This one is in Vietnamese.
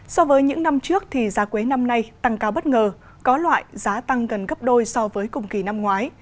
so với những năm trước thì giá quế năm nay tăng cao bất ngờ có loại giá tăng gần gấp đôi so với cùng kỳ năm ngoái